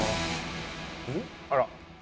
あら！